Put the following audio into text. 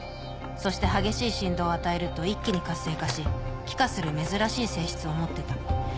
そして激しい振動を与えると一気に活性化し気化する珍しい性質を持ってた。